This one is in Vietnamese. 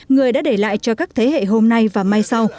người đã để lại cho các thế hệ hôm nay và mai sau